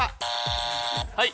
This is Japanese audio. はい。